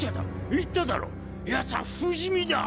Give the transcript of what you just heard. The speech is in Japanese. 言っただろヤツは不死身だ！